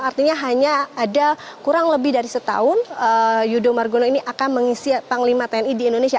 artinya hanya ada kurang lebih dari setahun yudho margono ini akan mengisi panglima tni di indonesia